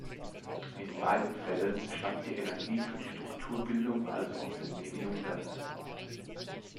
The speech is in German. In beiden Fällen stammt die Energie für die Strukturbildung also aus dem Medium selbst.